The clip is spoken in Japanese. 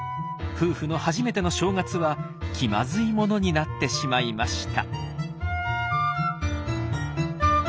夫婦の初めての正月は気まずいものになってしまいました。